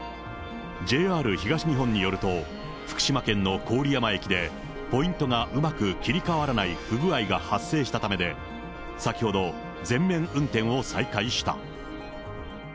ＪＲ東日本によると、福島県の郡山駅でポイントがうまく切り替わらない不具合が発生したためで、先ほど、全面運転を再開した。